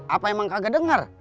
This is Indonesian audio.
apa emang kagak dengar